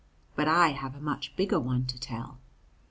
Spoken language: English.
But I have a much bigger one to tell.